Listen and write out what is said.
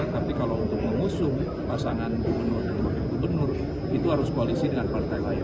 tapi kalau untuk mengusung pasangan benar benar itu harus koalisi dengan partai lain